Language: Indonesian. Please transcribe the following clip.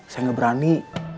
saya nggak berani